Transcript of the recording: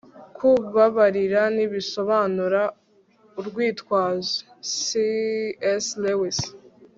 kubabarira ntibisobanura urwitwazo - c s lewis